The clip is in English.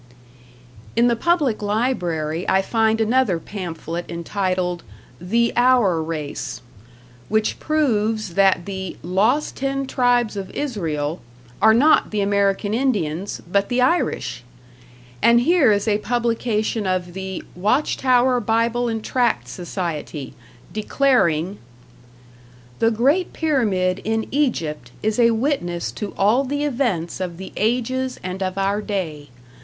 In the public library I find another pamphlet, entitled "The Our Race," which proves that the "lost ten tribes of Israel" are not the American Indians, but the Irish! And here is a publication of the "Watch Tower Bible and Tract Society," declaring: The great pyramid in Egypt is a witness to all the events of the ages and of our day.